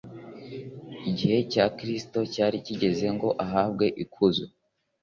Igihe cya Kristo cyari kigeze ngo ahabwe ikuzo.